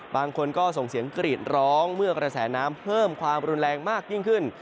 บางคนก็ส่งเสียงกรีดร้องเมื่อกระแสน้ำเพิ่มความรุนแรงมากยิ่งขึ้น